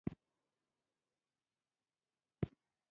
په منځنۍ امریکا کې تکتونیکي ژورې پراخه جهیلونه منځته راوړي دي.